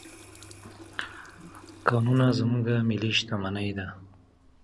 Synonyms of "worldcentric" include "global" and "planetary".